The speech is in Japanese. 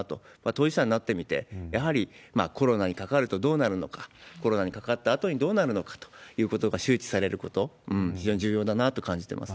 当事者になってみて、やはりコロナにかかるとどうなるのか、コロナにかかったあとにどうなるのかということが周知されること、非常に重要だなと感じてます。